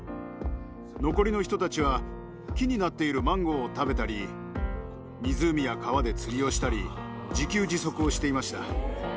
残りの人たちは木になっているマンゴーを食べたり、湖や川で釣りをしたり、自給自足をしていました。